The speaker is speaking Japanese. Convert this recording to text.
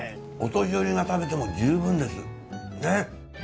お年寄りが食べても十分ですねぇ。